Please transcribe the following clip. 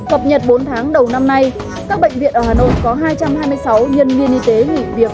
họp nhật bốn tháng đầu năm nay các bệnh viện ở hà nội có hai trăm hai mươi sáu nhân viên y tế nghỉ việc một mươi bảy người khác xin chuyển công tác